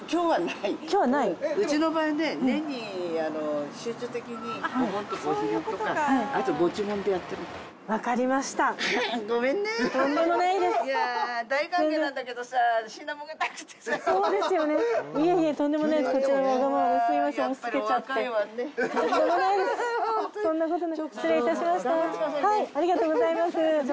はい。